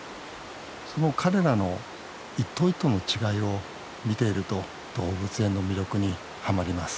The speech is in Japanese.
その彼らの一頭一頭の違いを見ていると動物園の魅力にはまります